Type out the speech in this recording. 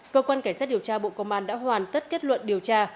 cơ quan cảnh sát điều tra bộ công an đã hoàn tất kết luận điều tra